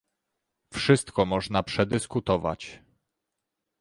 Wszystko można przedyskutować